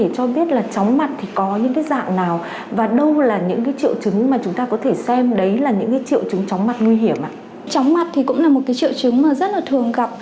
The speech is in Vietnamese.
chóng mặt thì cũng là một cái triệu chứng mà rất là thường gặp